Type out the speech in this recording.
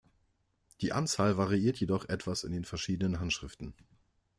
Die Anzahl variiert jedoch etwas in den verschiedenen Handschriften.